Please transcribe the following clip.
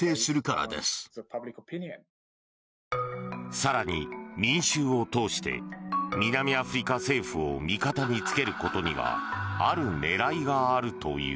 更に、民衆を通して南アフリカ政府を味方につけることにはある狙いがあるという。